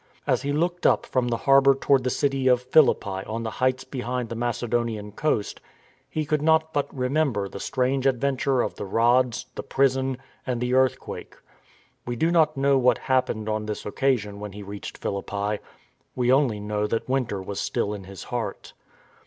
As he looked up from the harbour toward the city of Phi lippi on the heights behind the Macedonian coast, he could not but remember the strange adventure of the rods, the prison, and the earthquake. We do not know what happened on this occasion when he reached Philippi; we only know that winter was still in his heart.